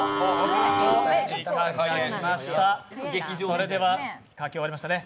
それでは書き終わりましたね